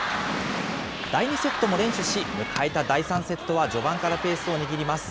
第２セットも連取し、迎えた第３セットは序盤からペースを握ります。